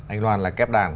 anh loan là kép đàn